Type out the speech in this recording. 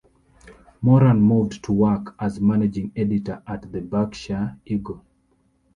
Moran moved to work as managing editor at the "Berkshire Eagle".